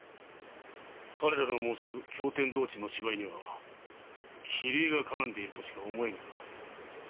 彼らが申す「驚天動地の芝居」には桐江が絡んでいるとしか思えんが。